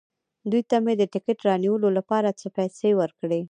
دوی ته مې د ټکټ رانیولو لپاره څه پېسې ورکړې.